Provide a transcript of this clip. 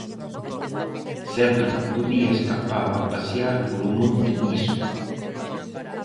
Sempre que podía escapaba a pasear polo monte Viso.